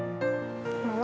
bisa kan udah diangkat